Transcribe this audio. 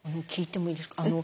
聞いてもいいですか。